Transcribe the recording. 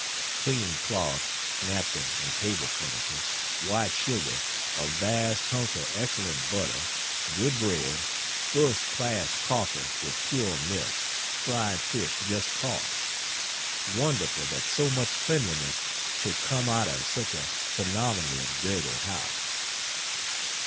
Clean cloth, napkin and table furniture, white sugar, a vast hunk of excellent butter, good bread, first class coffee with pure milk, fried fish just caught. Wonderful that so much cleanliness should come out of such a phenomenally dirty house.